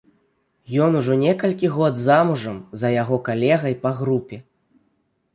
Ён ужо некалькі год замужам за яго калегай па групе.